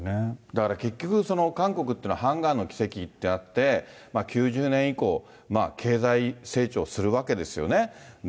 だから結局、韓国っていうのは漢江の奇跡ってあって、９０年以降、経済成長するわけですよね。